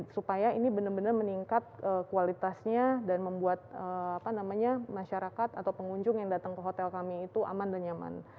supaya ini benar benar meningkat kualitasnya dan membuat masyarakat atau pengunjung yang datang ke hotel kami itu aman dan nyaman